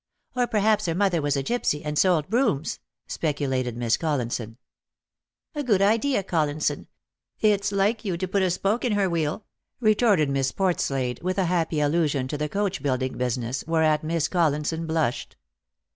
"Or perhaps her mother was a gipsy, and sold brooms," speculated Miss Collinson. " A good idea, Collinson. It's like you to put a spoke in her U)st for Jjove. 185 wheel," retorted Miss Portslade, with a happy allusion to the coach building business, whereat Miss Collinson blushed.